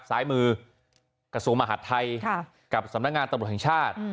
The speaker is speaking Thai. ซ้ายมือกระทรวงมหาดไทยกับสำนักงานตำรวจแห่งชาติ